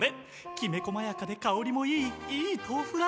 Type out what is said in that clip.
きめこまやかでかおりもいいいいとうふだ。